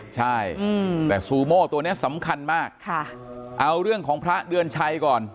ใช่แต่ซูโม่ตัวนี้สำคัญมากเอาเรื่องของพระเดือนชัยก่อน